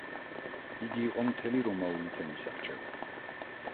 იგი იყო მთელი რომაული თემის არჩეული.